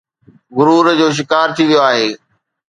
غرور جو شڪار ٿي ويو آهي